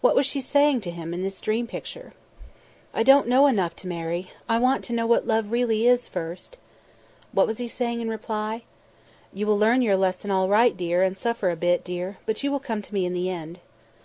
What was she saying to him in this dream picture? "I don't know enough to marry; I want to know what love really is, first ..." What was he saying in reply? "... You will learn your lesson all right, dear, and suffer a bit, dear, but you will come to me in the end."